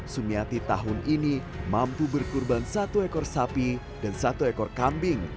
sumiati tahun ini mampu berkurban satu ekor sapi dan satu ekor kambing